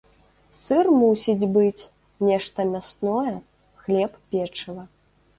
Сыр мусіць быць, нешта мясное, хлеб, печыва.